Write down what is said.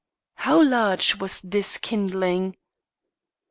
"How large was this kindling?"